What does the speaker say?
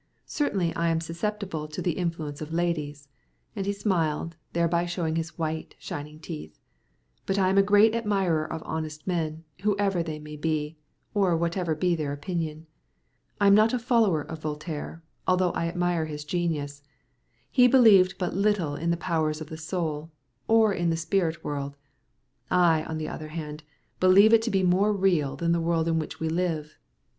Certainly I am susceptible to the influence of ladies" and he smiled, thereby showing his white, shining teeth "but I am a great admirer of honest men, whoever they may be, or whatever be their opinion. I am not a follower of Voltaire, although I admire his genius. He believed but little in the powers of the soul, or in the spirit world; I, on the other hand, believe it to be more real than the world in which we live."